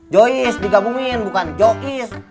joyce digabungin bukan jo is